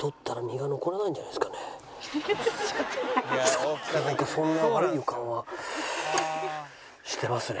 ちょっと僕そんな悪い予感はしてますね。